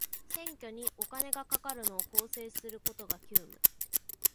選挙にお金がかかるのを是正することが急務